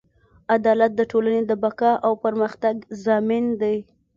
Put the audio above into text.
عدالت د ټولنې د بقا او پرمختګ ضامن دی.